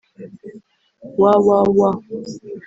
//www